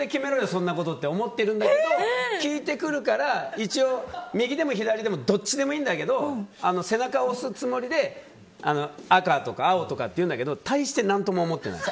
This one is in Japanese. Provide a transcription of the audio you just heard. そんなことって思ってるんだけど聞いてくるから、一応右でも左でもどっちでもいいんだけど背中を押すつもりで赤とか青とかって言うんだけど対して何とも思ってない。